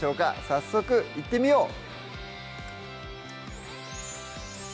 早速いってみよう！